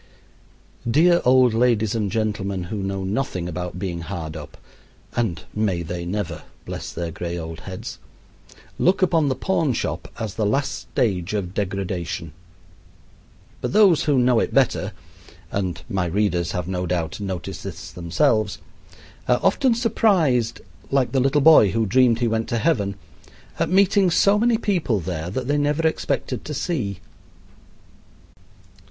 Dear old ladies and gentlemen who know nothing about being hard up and may they never, bless their gray old heads look upon the pawn shop as the last stage of degradation; but those who know it better (and my readers have no doubt, noticed this themselves) are often surprised, like the little boy who dreamed he went to heaven, at meeting so many people there that they never expected to see.